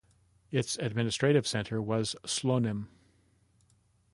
Its administrative centre was Slonim.